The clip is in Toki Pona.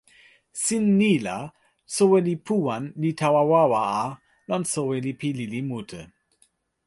sin ni la, soweli Puwan li tawa wawa a lon soweli pi lili mute!